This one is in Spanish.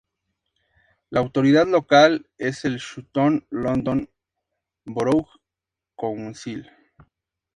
La autoridad local es el Sutton London Borough Council.